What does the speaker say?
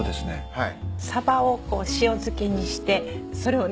はい。